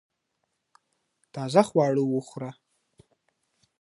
تازه خواړه وخوره